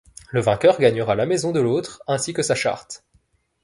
Le vainqueur gagnera la maison de l'autre ainsi que sa charte.